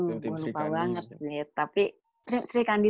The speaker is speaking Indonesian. aduh gue lupa banget nih